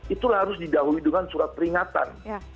itu harus didahului dengan surat peringatan